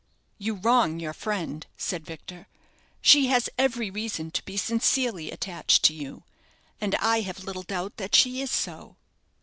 "You wrong your friend," said Victor. "She has every reason to be sincerely attached to you, and I have little doubt that she is so."